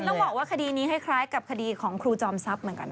แต่จริงแล้วบอกว่าคดีนี้ให้คล้ายกับคดีของครูจอมทรัพย์เหมือนกัน